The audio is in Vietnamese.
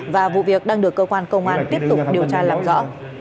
và vụ việc đang được cơ quan công an tiếp tục điều tra làm rõ